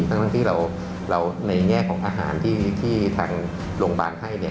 ทั้งที่เราในแง่ของอาหารที่ทางโรงพยาบาลให้เนี่ย